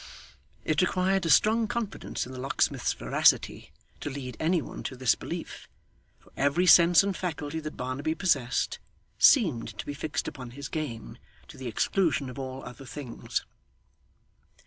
It required a strong confidence in the locksmith's veracity to lead any one to this belief, for every sense and faculty that Barnaby possessed, seemed to be fixed upon his game, to the exclusion of all other things.